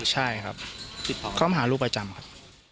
ใช่ครับเข้ามาหาลูกประจำครับ